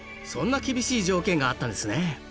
そんな厳しい条件があったんですね